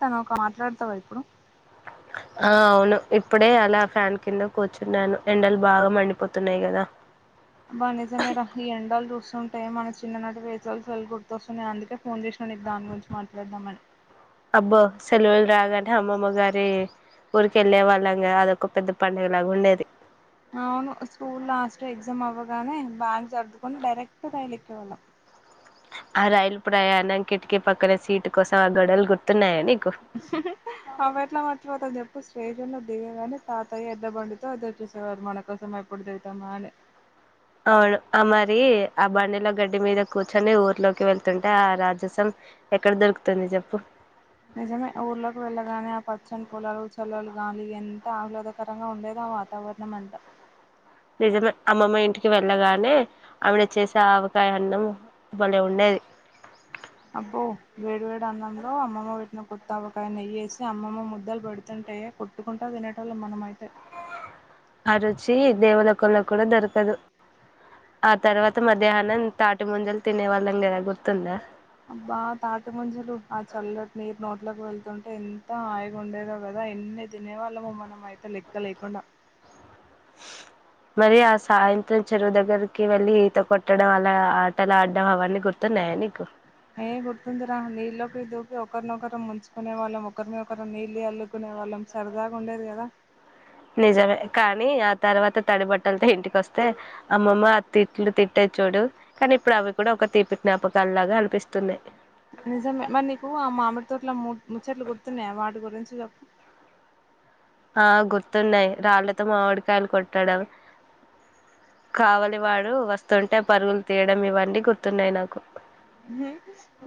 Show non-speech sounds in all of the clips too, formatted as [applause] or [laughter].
తను ఒక మాట్లాడతావా ఇప్పుడు ఆ అవును ఇప్పుడే అలా ఫ్యాన్ కింద కూర్చున్నాను ఎండలు బాగా మండిపోతున్నాయి కదా సుంటాయి మనకు సిన్ననాటి వెల్ [unintelligible] గుర్తొస్తున్నాయి అందుకే ఫోన్ చేసిన నేన్ దాని గురించి మాట్లాదామని అబ్బో సెలవులు రాగానే అమ్మమ్మ గారి ఊరికి వెళ్ళే వాళ్ళంగా అదొక పెద్ద పండుగ లాగా ఉండేది. అవును స్కూల్ లాస్ట్ ఎక్సామ్ అవ్ గానే బ్యాగ్ చర్దుకుని డైరెక్ట్ రైలెక్కే వాళ్లం ఆ రైలు ప్రయాణం కిటికీ పక్కన సీటు కోసం ఆ గడలు గుర్తున్నాయ నీక్ అవి ఎట్లా మర్చిపోతా చెప్ ప్పుడు స్టేషన్ లో దిగంగానే తాతయ్య ఎడ్లబండితో ఎదురుచూసేవారు మన కోసం ఎప్పుడు దిగుతామా అని అవును ఆ మరి ఆ బండిలో గడ్డి మీద కూర్చొని ఊర్లోకి వెళ్తుంటే, ఆ రాజసం ఎక్కడ దొరుకుతుంది చెప్పు. నిజమే ఊర్లోకి వెళ్ళగానే ఆ పచ్చని పొలాలు, చల్లలు గాలి, ఎంత ఆహ్లాదకరంగా ఉండేదో ఆ వాతావరణం అంత నిజమే అమ్మమ్మ ఇంటికి వెళ్ళగానే ఆవిడ చేసే అవకాయ అన్నం భలే ఉండేది. అబ్బో వేడి వేడి అన్నంలో అమ్మమ్మ పెట్టిన కొత్తావకాయ నెయ్యేసి అమ్మమ్మ ముద్దలు పెడుతుంటే కొట్టుకుంటా తినేటోళ్ళం మనమైతే అ రుచి దేవలోకంలో కూడా దొరకదు ఆ తర్వాత మధ్యాహ్నం తాటి ముంజలు తినే వాళ్ళం కదా గుర్తుందా అబ్బా తాటి ముంజలు ఆ చల్లటి నీరు నో ట్లోకి వెళ్తుంటే ఎంత హాయిగా ఉండేదో కదా ఎన్ని తినే వాళ్ళమో మనం అయితే లెక్క లేకుండా మరి ఆ సాయంత్రం చెరువు దగ్గరికి వెళ్ళి ఈత కొట్టడం అలా ఆటలాడడం అవన్నీ గుర్తున్నాయా నీకు ఒకరినొకరు ముంచుకునే వాళ్ళం ఒకరినొకరు నీళ్ళ జల్లుకునే వాళ్ళం సరదాగా ఉండేది కదా నిజమే కానీ ఆ తర్వాత తడి బట్టలతో ఇంటికి వస్తే అమ్మమ్మ ఆ తిట్లు తిట్టేది చూడు కానీ ఇప్పుడు అవి కూడా ఒక తీపి జ్ఞాపకాలు లాగా అనిపిస్తున్నాయి నిజమే మరి నీకు ఆ మామిడితోటలో ము ముచ్చట్లు గుర్తున్నాయా వాటి గురించి చెప్పు ఆ గుర్తున్నాయి రాళ్లతో మామిడికాయలు కొట్టడం కావలి వాడు వస్తుంటే పరుగులు తీయడం ఇవన్నీ గుర్తున్నాయి నాకు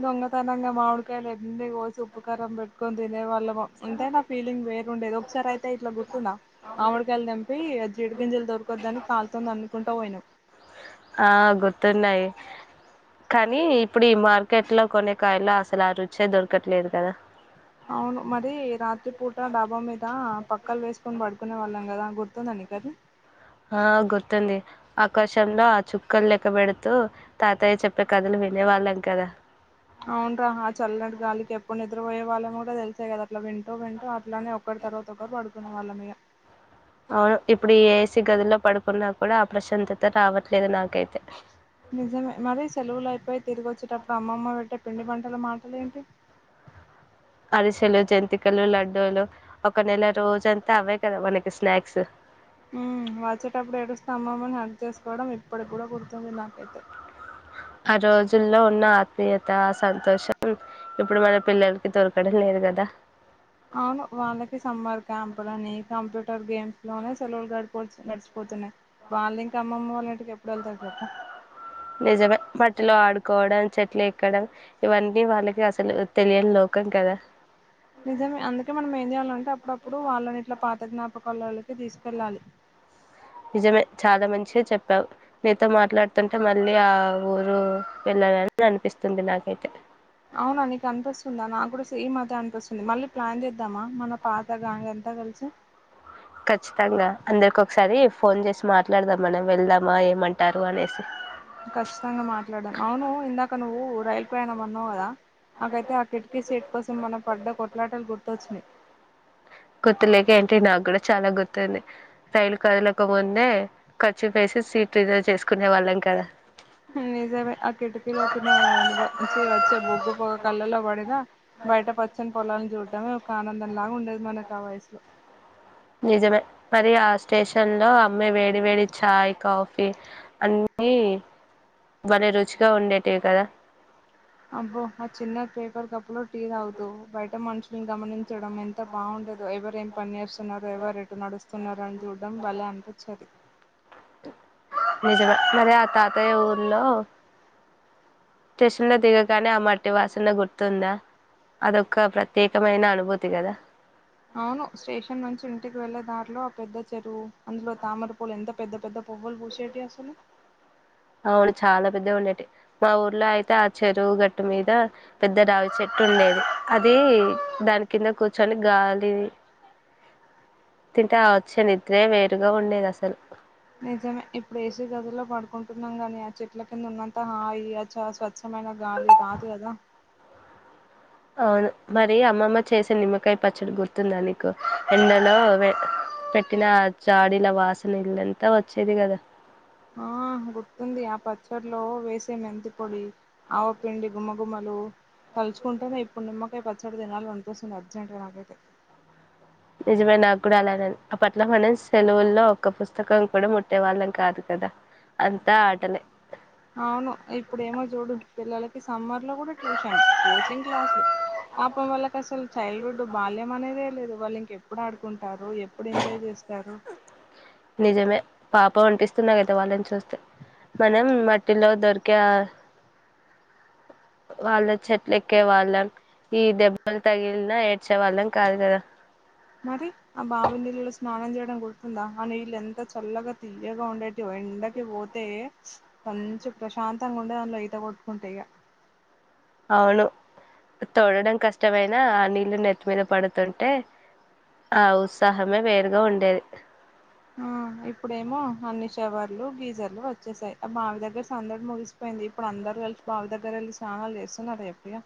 దొంగతనంగా మామిడికాయలు ఎన్ని కోసి ఉప్పుకారం పెట్టుకొని తినే వాళ్ళం ఎంతైనా ఫీలింగ్ వేరుండేదో సరే అయితే ఇట్లా గుర్తుందా మామిడికాయలు తెంపి జీడ గింజలు దొరకొద్దని అని కాల్ తో తన్నుకుంటా పోయినం ఆ గుర్తున్నాయి కానీ ఇప్పుడు ఈ మార్కెట్ లో కొనే కాయల్లో అసలు ఆ రుచే దొరకట్లేదు కదా అవును మరి రాత్రి పూట డాబా మీద పక్కలు వేసుకొని పడుకునే వాళ్ళం కదా గుర్తుందా నీకది ఆ గుర్తుంది ఆకాశంలో ఆ చుక్కలు లెక్కబెడుతూ తాతయ్య చెప్పే కథలు వినేవాళ్ళం కదా అవున్రా ఆ చల్లటి గాలికి ఎప్పు ఎప్పుడునిద్ర పోయే వాళ్ళమో కూడా తెలిసే కదా అట్లా వింటూ వింటూ అట్లనే ఒకరి తర్వాత ఒకరు పడుకునే వాళ్ళ మిగ అవును ఇప్పుడు ఈ ఏసి గదిలో పడుకున్నా కూడా ఆ ప్రశాంతత రావట్లేదు నాకైతే నిజమే మరి సెలవులు అయిపోయి తిరిగి వచ్చేటప్పుడు అమ్మమ్మ పెట్టే పిండి పంటల మాటలు ఏంటి అరిసెలు జంతికలు లడ్డూలు ఒక నెల రోజంతా అవే కదా మనకి స్నాక్స్ వచ్చేటప్పుడు ఎడుస్తా అమ్మమని హగ్ చేసుకోవడం ఇప్పటి కూడా గుర్తుంది నాకైతే ఆ రోజుల్లో ఉన్న ఆత్మీయత సంతోషం ఇప్పుడు మన పిల్లలకి దొరకడం లేదు కదా అవును వాళ్ళకి సంమ్మార్ క్యాంపులని కంప్యూటర్ గేమ్స్ లోనే సెలవులు గడి నడిచిపోతున్నాయి వాళ్ళు ఇంక అమ్మమ్మ వాళ్ళ ఇంటికి ఎప్పుడు వెళ్తారు చెప్పు నిజమే పట్టిలో ఆడుకోవడం చెట్లు ఎక్కడం ఇవన్నీ వాళ్ళకి అసలు తెలియని లోకం కదా నిజమే అందుకే మనం ఏం చేయాలంటే అప్పుడప్పుడు వాళ్ళని ఇట్లా పాత జ్ఞాపకలకి తీసుకెళ్ళాలి నిజమే చాలా మంచిగా చెప్పావు నీతో మాట్లాడుతుంటే మళ్ళీ ఆ ఊరు వెళ్ళాలని అనిపిస్తుంది నాకైతే అవునా నీకు అనిపిస్తుందా నాకు కూడా సేమ్ అనిపిస్తుంది మళ్ళీ ప్లాన్ చేద్దామా మన పాత గ్యాంగ్ అంత కలిసి ఖచ్చితంగా అందరికి ఒకసారి ఫోన్ చేసి మాట్లాడదాం మనం వెళ్దామా ఏమంటారు అనేసి ఖచ్చితంగా మాట్లాడాం అవును ఇందాక నువ్వు రైల్ ప్రయాణం అన్నావు కదా నాకైతే ఆ కిటికీ సీట్ కోసం మన పడ్డ కొట్లాటలు గుర్తొచ్చినాయి గుర్తులేక ఏంటి నాకు కూడా చాలా గుర్తుంది రైలు కదక ముందే కర్చిప్ వేసి సీట్ రిజర్వ్ చేసుకునే వాళ్ళం కదా నిజమే ఆ కిటికీలోకి న వంచి వచ్చే బొగ్గు పోగ కళ్ళలో పడిన బయట పచ్చని పొలాలను చూడటమే ఒక ఆనందంలాగా ఉండేది మనకు ఆ వయసులో నిజమే మరి ఆ స్టేషన్ లో అమ్మే వేడి వేడి ఛాయ్ కాఫీ అన్నీ బలే రుచిగా ఉండేటివి కదా అబ్బో ఆ చిన్న పేపర్ కప్ లో టీ తాగుతూ బయట మంచు మేం గమనించడం ఎంత బాగుండదు ఎవరు ఏం పని చేస్తున్నారు ఎవరు ఎటు నడుస్తున్నార అని చూడడం భలే అనిపించేది నిజంగా మరి ఆ తాతయ్య ఊర్లో స్టేషన్ లో దిగగానే ఆ మట్టి వాసన గుర్తుందా అదొక ప్రత్యేకమైన అనుభూతి కదా అవును స్టేషన్ నుంచి ఇంటికి వెళ్ళే దారిలో ఆ పెద్ద చెరువు అందులో తామరపూలు ఎంత పెద్ద పెద్ద పువ్వులు పూసేటి అసలు అవును చాలా పెద్ద ఉండేటి మా ఊర్లో అయితే ఆ చెరువు గట్టు మీద పెద్ద రావి చెట్టు ఉండేది అది దాని కింద కూర్చొని గాలి తింటే ఆ వచ్చే నిద్రే వేరుగా ఉండేది అసలు నిజమే ఇప్పుడు ఏసీ గదిలో పడు కుంటున్నాం గాని ఆ చెట్ల కింద ఉన్నంత హాయి అ చా స్వచ్ఛమైన గాలి రాదు కదా అవును మరి అమ్మమ్మ చేసే నిమ్మకాయ పచ్చడి గుర్తుందా నీకు ఎండలో వే పెట్టిన జాడీల వాసన ఇల్లంతా వచ్చేది కదా ఆ గుర్తుంది ఆ పచ్చర్లో వేసే మెంతి పొడి ఆవ పిండి గుమ గుమలు తలుచుకుంటేనే ఇప్పుడు నిమ్మకాయ పచ్చడి తినాలి అనిపిస్తుంది అర్జెంట్గా నాకైతే నిజమే నాకు కూడా అలానే అప్పట్లో మనం సెలవుల్లో ఒక పుస్తకం కూడా ముట్టే వాళ్ళం కాదు కదా అంతా ఆటలే అవును ఇప్పుడేమో చూడు పిల్లలకి సమ్మర్ లో కూడా ట్యూషన్ కోచింగ్ క్లాసులు పాపం వాళ్ళకి అసలు చైల్డ్ హుడ్ బాల్యం అనేదే లేదు వాళ్ళు ఇంక ఎప్పుడు ఆడుకుంటు టారు ఎప్పుడు ఎంజాయ్ చేస్తారు నిజమే పాపమనిపిస్తున్నది వాళ్లను చూస్తే. మనం మట్టిలో దొరికే ఆ వాళ్ల చెట్లెక్కే వాళ్ళం ఈ దెబ్బలు తగిలిన ఏడ్చేవాళ్ళం కాదు కదా మరి ఆ బావినీలలో స్నానం చేయడం. నం గుర్తుందా ఆ నీళ్లు ఎంత చల్లగా తీయగా ఉండేటివో ఎండకి పోతే మంచిగా ప్రశాంతంగా ఉండేది అందులో ఈత కొట్టుకుంటా ఇగ. అవును తోడటం కష్టమైన ఆ నీళ్లు నెత్తి మీద పడుతుంటే ఆ ఉత్సాహమే వేరుగా ఉండేది. ఆ ఇప్పుడేమో అన్ని షవర్లు గీజర్లు వచ్చేసాయి. ఆ బావి దగ్గర సందడి ముగిసిపోయింది. ఇప్పుడు అందరు కలిసి బావి దగ్గర ఎల్లి స్నానాలు చేస్తున్నారా చెప్పు ఇగ.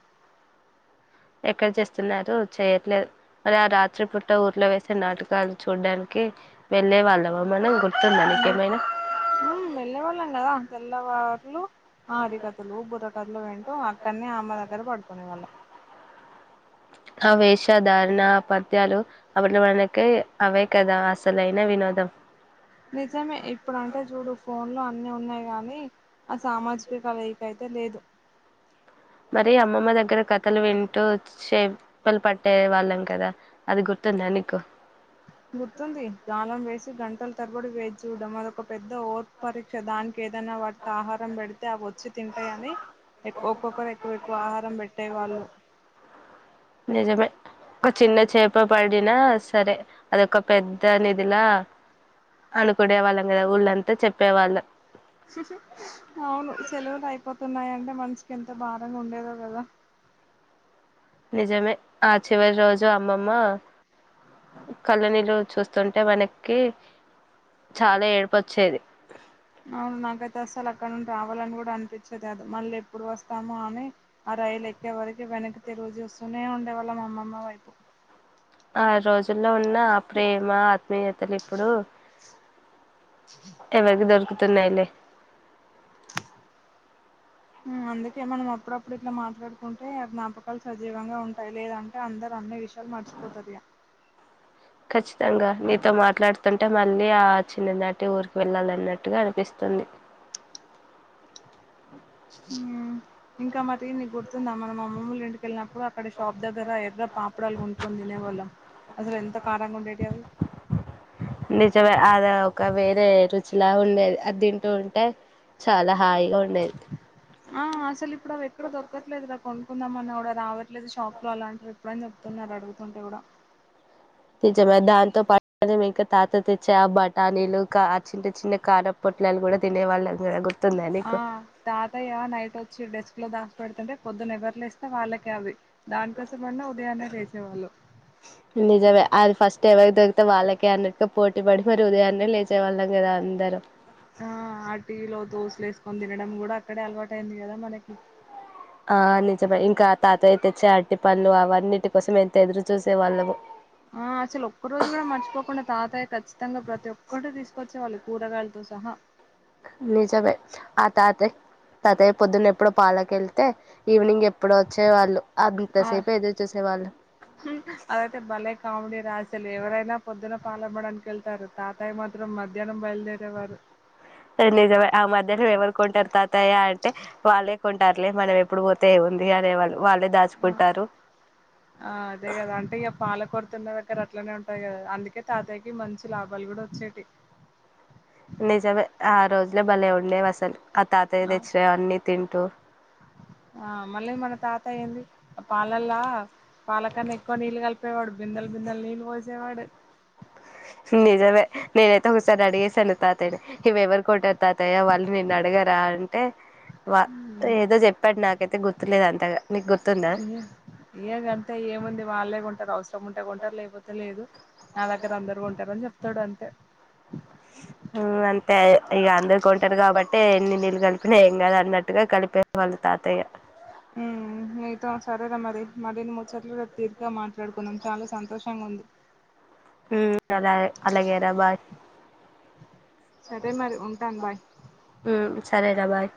ఎక్కడ చేస్తున్నారు చేయట్లేదు. మరి ఆ రాత్రిపూట ఊరిలో వేసే నాటకాలు చూడడానికి వెళ్లే వాళ్ళమా మనం గుర్తు ఉమ్ వెళ్లే వాళ్ళం కదా. తెల్లవారులు హరికథలు బుర్ర కథలు వింటూ అక్కనే అమ్మ దగ్గర పడుకునే వాళ్ళం. ఆ వేషధారణ ఆ పద్యాలు అప్పట్ల మనకి అవే కదా అసలైన వినోదం. నిజమే ఇప్పుడంటే జుడు ఫోన్లో అన్నీ ఉన్నాయి గాని ఆ సామాజిక కలయిక అయితే లేదు. మరి అమ్మమ్మ దగ్గర కథలు వింటూ చే పలు పట్టే వాళ్ళం కదా అది గుర్తుందా నీకు గుర్తుంది గాలం వేసి గంట గంటలు తరబడి వేచి చూడడం అది ఒక పెద్ద ఓర్పరీక్ష దానికి ఏదైనా వాటికి ఆహారం పెడితే అవి వచ్చి తింటాయని ఎక్ ఒక్కొక్కరు ఎక్కువ ఎక్కువ ఆహారం పెట్టేవాళ్ళు. నిజమే ఒక చిన్న చేప పడినా సరే అది ఒక పెద్ద నిథిలా అనుకునేవాళ్లం కదా ఊర్లో అంతా చెప్పేవాళ్లం. అవును సెలవులు అయిపోతున్నాయి అంటే మనసుకు ఎంత బాధగా ఉండేదో కదా. నిజమే ఆ చివరి రోజు అమ్మమ్మ కళ్ళు నీళ్లు చూస్తుంటే మనకి చాలా ఏడుపొచ్చేది. అవును నాకైతే అసలు అక్కడ నుండి రావాలని కూడా అనిపించేది కాదు. మళ్లీ ఎప్పుడు వస్తామో అని ఆ రైలు ఎక్కే వరకు వెనక్కితిరుగి చూస్తూనే ఉండేవాళ్ళం అమ్మమ్మ వైపు. ఆ రోజుల్లో ఉన్న ఆ ప్రేమ ప్యాయతలు ఇప్పుడు ఎవరికి దొరుకుతున్నాయి లే ఉమ్ అందుకే మనం అప్పుడప్పుడు ఇట్లా మాట్లాడుకుంటే జ్ఞాపకాలు సజీవంగా ఉంటాయి లేదంటే అందరూ అన్ని విషయాలు మర్చిపోతారు ఇగ. కచ్చితంగా నీతో మాట్లాడుతుంటే మళ్లీ ఆ చిన్ననాటి ఊరికి వెళ్లాలన్నట్టుగా అనిపిస్తుంది. హుమ్ ఇంకా మరి నీ గుర్తుందా మన అమ్మమ్మ వాళ్ళ ఇంటికి వెళ్ళినప్పుడు ప్పుడు అక్కడ షాప్ దగ్గర ఎర్ర పాపడాలు కొనుక్కొని తినేవాళ్ళం అసలు ఎంత కారం ఉండేటివి అవి. అలా ఒక వేరే రుచి లా ఉండేది అది తింటూ ఉంటే చాలా హాయిగా ఉండేది. ఆ అసలు ఇప్పుడు అవి ఎక్కడ దొరకట్లేదు కద్ కొనుక్కుందాం అన్నా కూడా రావట్లేద షాప్ లో అలాంటివి ఇప్పుడు అని చెప్తున్నారు అడుగుతుంటే కూడా. నిజమే దాంతో పాటు అదే ఇంకా తాత తెచ్చి ఆ బటానీలు కా ఆ చిన్న చిన్న కారపొట్లాలు కూడా తినేవాళ్ళం కదా గుర్తు ఆ తాతయ్య నైట్ వచ్చి డిస్క్ లా దాచి పెడుతుంటే పొద్దున్నే ఎవరు లేస్తే వాళ్ళకే అవి. దానికోసమన్నా ఉదయాన్నే లేసేవాళ్ళు నిజమే అది ఫస్ట్ ఎవరికీ దొరికి రికితే వాళ్లకే అన్నట్టుగా పోటీపడి మరి ఉదయాన్నే లేచే వాళ్ళం కదా అందరం. ఆ ఆ టీ లో దోశలు ఎసుకుని తినడం కూడా అక్కడ అలవాటయింది కదా మనకి. ఆ నిజమే ఇంకా ఆ తాతయ్య తెచ్చే అట్టిపళ్ళు అవన్నీటి కోసం ఎంత ఎదురు చూసే వాళ్లమ ఆ అసలు ఒక్క రోజు కూడా మర్చిపోకుండా తాతయ్య ఖచ్చితంగా ప్రతి ఒక్కటి తీసుకొచ్చేవాళ్ళు కూరగాయలతో సహా నిజమే ఆ తాతయ్య తాతయ్య పొద్దున్న ఎప్పుడు పాలక వెళ్తే ఈవినింగ్ ఎప్పుడు వచ్చే వాళ్ళు ఆ అదైతే భలే కామెడీ రాసలు ఎవరైనా పొద్దున పాల మని కళ్తారు తాతయ మాత్రం మధ్యాహ్నం బయల్దేరేవారు నిజం ఆ మధ్యలో ఎవరు కొంటారు తాతయ అంటే వాళ్ళే కొంటారులే మనం ఎప్పుడు పోతే ఉంది అనేవాళ్ళు వాళ్ళే ఆ దాచుకుంటారు ఆ అదే కదా అంటే ఇక పాలకొరతున్న అక్కడ అట్లనే ఉంటాయి కదా అందుకే తాతయ్యకి మంచి లాభాలు కూడా వచ్చేటి నిజమే ఆ రోజులు భలే ఉండేవి అసలు ఆ తాతయ్య ఆ తెచ్చినవన్నీ తింటూ ఆ మళ్ళీ మన తాత ఏంది పాలల్లా పాలకన్నా ఎక్కువ నీళ్ళు కలిపేవాడు బిందల్ బిందల్ నీన్ పోయిసేవాడు నిజమే నేనైతే ఒకసారి అడిగేశాను తాతయ్య ఇవి ఎవరు కొట్టారు తాతయ్య వాళ్ళు నిేు అడగరాా అంటే ఏదో చెప్పాడు నాకు నాకైతే గుర్తులేదు అంతగా నీకు గుర్తుందా ఏగ అంతా ఏముంది వాళ్ళేగా ఉంటారు అఔసరం ఉంటా కొంటారు లేకపోతే లేదు నా దగ్గర అందరు కొంటారని చెప్తాడు అంతే అంతే ఇక అందరకు కొంటారు కాబట్టి ఎన్ని నీళ్ళు కలిపినా ఏం కదా అన్నట్టుగా కలిపే వాళ్ళు తాతయ్య హుమ్ ఏత సరేద మరి మ రే ముచ్చట్లు తీరిగా మాట్లాడుకున్నాం చాలా సంతోషంగా ఉంది హుమ్ అలాగే అలాగే రా బాయ్ సరే మరి ఉంటాను బాయ్ హుమ్ సరే ఆ బాయ్